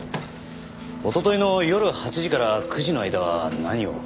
おとといの夜８時から９時の間は何を？